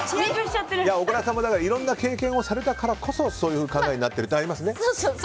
小倉さんもいろんな経験をしたからこそそういう考えになっているってありますね。